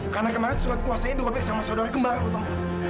karena kemarin surat kuasanya dua b sama saudara kemarin dok